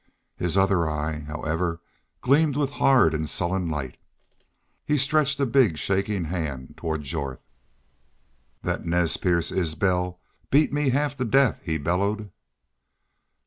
His other eye, however, gleamed with hard and sullen light. He stretched a big shaking hand toward Jorth. "Thet Nez Perce Isbel beat me half to death," he bellowed.